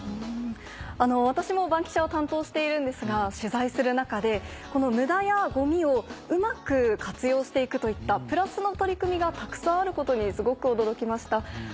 私も『バンキシャ！』を担当しているんですが取材する中でこの無駄やゴミをうまく活用して行くといったプラスの取り組みがたくさんあることにすごく驚きました。